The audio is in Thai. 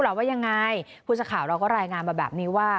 เราว่ายังไงพูดจะข่าวเราก็รายงานมาแบบนี้ว่า